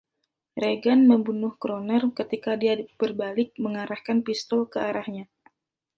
Regan membunuh Kroner ketika dia berbalik, mengarahkan pistol ke arahnya.